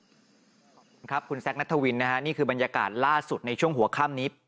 ขอบคุณครับคุณแซคนัทวินนะฮะนี่คือบรรยากาศล่าสุดในช่วงหัวค่ำนี้